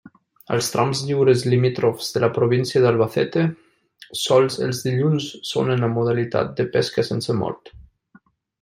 Als trams lliures limítrofs de la província d'Albacete sols els dilluns són en la modalitat de pesca sense mort.